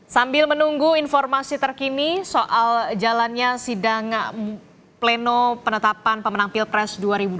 sambil menunggu informasi terkini soal jalannya sidang pleno penetapan pemenang pilpres dua ribu dua puluh